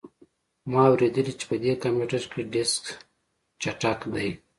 ما اوریدلي چې په دې کمپیوټر کې ډیسک چټک دی